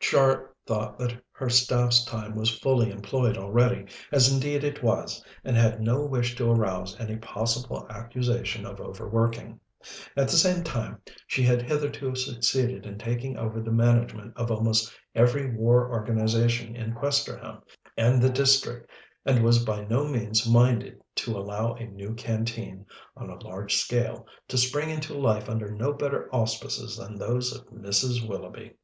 Char thought that her staff's time was fully employed already, as indeed it was, and had no wish to arouse any possible accusation of overworking. At the same time, she had hitherto succeeded in taking over the management of almost every war organization in Questerham and the district, and was by no means minded to allow a new Canteen, on a large scale, to spring into life under no better auspices than those of Mrs. Willoughby.